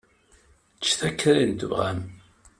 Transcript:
Ččet akk ayen i tebɣam.